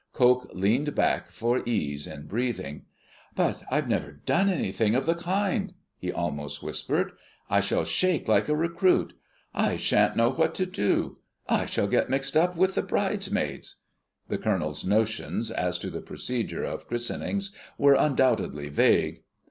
Coke leaned back for ease in breathing. "But I've never done anything of the kind," he almost whispered. "I shall shake like a recruit. I shan't know what to do I shall get mixed up with the bridesmaids " The Colonel's notions as to the procedure of christenings were undoubtedly vague.